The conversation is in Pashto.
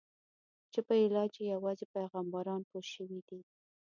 چې په علاج یې یوازې پیغمبران پوه شوي دي.